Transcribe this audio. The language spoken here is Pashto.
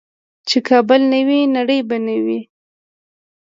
چې کابل نه وي نړۍ دې نه وي.